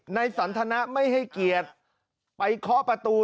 สันทนะไม่ให้เกียรติไปเคาะประตู